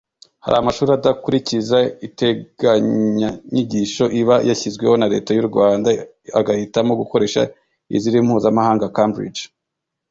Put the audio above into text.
"Hari amashuri adakurikiza iteganyanyigisho iba yashyizweho na leta y’u Rwanda agahitamo gukoresha iziri mpuzamahanga Cambridge